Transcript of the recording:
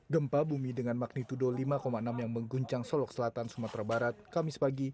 gempa bumi dengan magnitudo lima enam yang mengguncang solok selatan sumatera barat kamis pagi